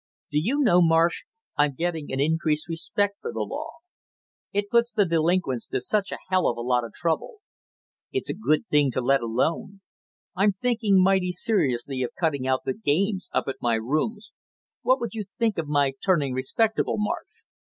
Do you know, Marsh, I'm getting an increased respect for the law; it puts the delinquents to such a hell of a lot of trouble. It's a good thing to let alone! I'm thinking mighty seriously of cutting out the games up at my rooms; what would you think of my turning respectable, Marsh?